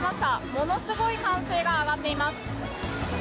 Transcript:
ものすごい歓声が上がっています。